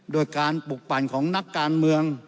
โดยการปลุกปั่นของนักการเมือง